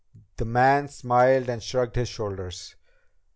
The man smiled and shrugged his shoulders.